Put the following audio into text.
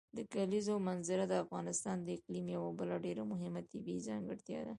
د کلیزو منظره د افغانستان د اقلیم یوه بله ډېره مهمه طبیعي ځانګړتیا ده.